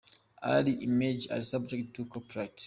All images are subject to copyright.